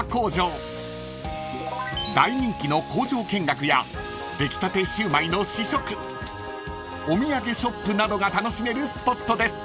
［大人気の工場見学や出来たてシウマイの試食お土産ショップなどが楽しめるスポットです］